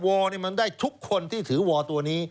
วอร์นี่มันได้ทุกคนที่ถือวอร์ตัวนี้